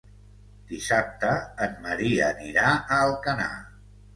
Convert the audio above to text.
Dissabte en Maria anirà a Alcanar.